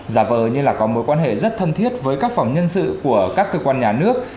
giả vờ như là có mối quan hệ rất thân thiết với các phòng nhân sự của các cơ quan nhà nước